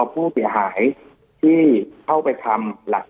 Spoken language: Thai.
จนถึงปัจจุบันมีการมารายงานตัว